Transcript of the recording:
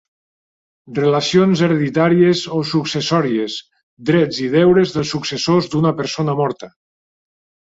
Relacions hereditàries o successòries: drets i deures dels successors d'una persona morta.